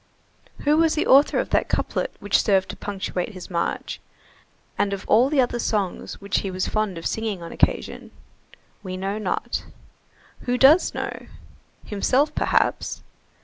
Who was the author of that couplet which served to punctuate his march, and of all the other songs which he was fond of singing on occasion? We know not. Who does know? Himself, perhaps.